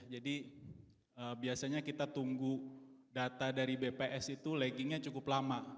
jadi biasanya kita tunggu data dari bps itu laggingnya cukup lama